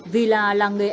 vì là làng nghề ép gỗ